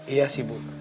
iya sih bu